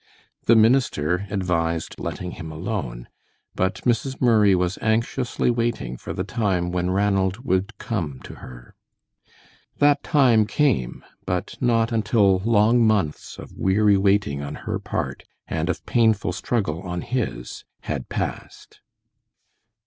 The minister advised letting him alone, but Mrs. Murray was anxiously waiting for the time when Ranald would come to her. That time came, but not until long months of weary waiting on her part, and of painful struggle on his, had passed.